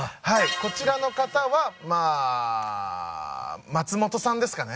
こちらの方はまあ松本さんですかね。